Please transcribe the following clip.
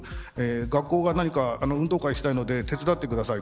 学校が運動会したいので手伝ってください。